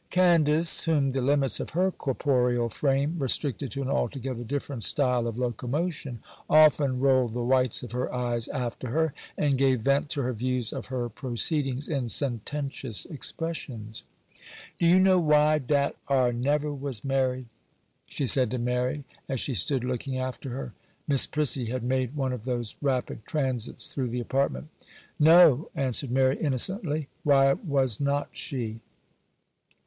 Candace, whom the limits of her corporeal frame restricted to an altogether different style of locomotion, often rolled the whites of her eyes after her, and gave vent to her views of her proceedings in sententious expressions. 'Do you know why dat ar never was married?' she said to Mary, as she stood looking after her. Miss Prissy had made one of those rapid transits through the apartment. 'No,' answered Mary, innocently; 'why was not she?